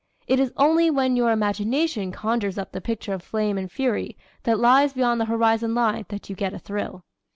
It is only when your imagination conjures up the picture of flame and fury that lies beyond the horizon line that you get a thrill.